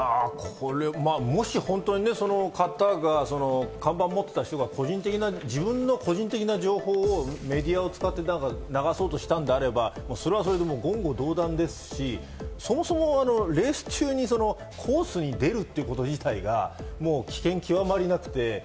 もしホントに看板を持っていた方が自分の個人的な情報をメディアを使って流そうとしたんであればそれは言語道断ですし、そもそもレース中にコースに出るということが危険極まりなくて。